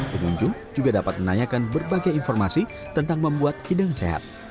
pengunjung juga dapat menanyakan berbagai informasi tentang membuat hidang sehat